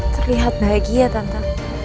terlihat bahagia tante